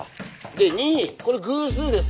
で２これ偶数です。